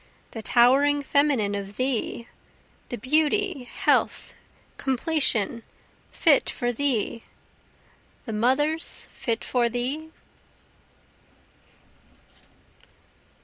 The towering feminine of thee? the beauty, health, completion, fit for thee? The mothers fit for thee?